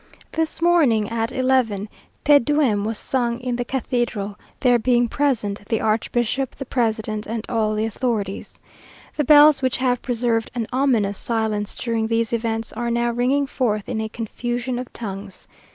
This morning, at eleven, Te Deum, was sung in the cathedral, there being present, the archbishop, the president, and all the authorities. The bells, which have preserved an ominous silence during these events, are now ringing forth in a confusion of tongues.